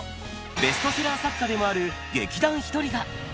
ベストセラー作家でもある劇団ひとりが。